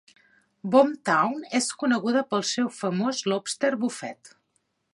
Boomtown és coneguda pel seu famós Lobster Buffet.